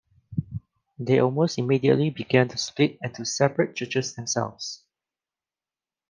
They almost immediately began to split into separate churches themselves.